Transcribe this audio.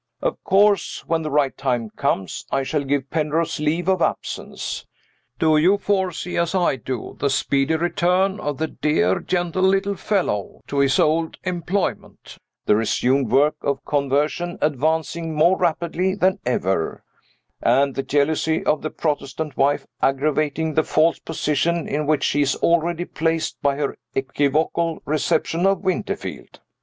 Of course when the right time comes I shall give Penrose leave of absence. Do you foresee, as I do, the speedy return of "the dear gentle little fellow" to his old employment; the resumed work of conversion advancing more rapidly than ever; and the jealousy of the Protestant wife aggravating the false position in which she is already placed by her equivocal reception of Winterfield?